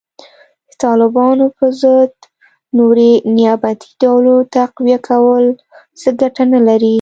د طالبانو په ضد نورې نیابتي ډلو تقویه کول څه ګټه نه لري